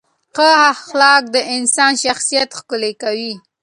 ښه اخلاق د انسان شخصیت ښکلي کوي.